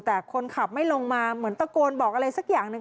แต่คนขับไม่ลงมาเหมือนตะโกนบอกอะไรสักอย่างหนึ่ง